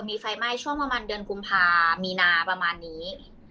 มีไฟไหม้ช่วงประมาณเดือนกุมภามีนาประมาณนี้